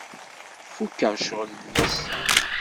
Fukeɣ ccɣel n wass-a.